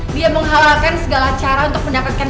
dia menghalalkan segala cara untuk mendapatkan